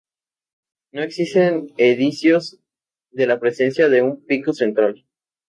No existen indicios de la presencia de un pico central.